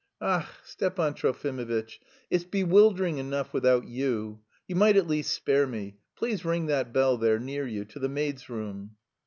"Ach, Stepan Trofimovitch, it's bewildering enough without you. You might at least spare me.... Please ring that bell there, near you, to the maid's room."